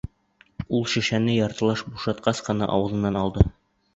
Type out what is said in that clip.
Ул шешәне яртылаш бушатҡас ҡына ауыҙынан алды.